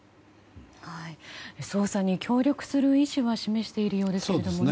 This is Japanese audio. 捜査に協力する意思は示しているようですけどもね。